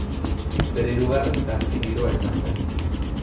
Bere hirugarren eta azken giroa izan zen.